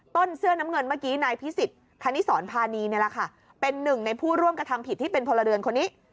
เสื้อน้ำเงินเมื่อกี้นายพิสิทธิคณิสรพานีนี่แหละค่ะเป็นหนึ่งในผู้ร่วมกระทำผิดที่เป็นพลเรือนคนนี้